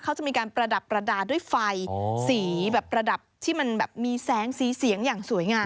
เขาจะมีการประดับประดาษด้วยไฟสีแบบประดับที่มันแบบมีแสงสีเสียงอย่างสวยงาม